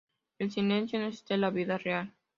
El silencio no existe en la vida real.